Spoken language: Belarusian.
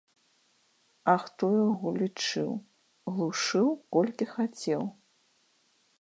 А хто яго лічыў, глушыў колькі хацеў.